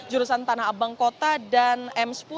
jurusan tanah abang kota dan m sepuluh